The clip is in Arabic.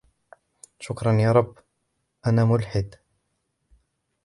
شكرا يا رب، أنا ملحد.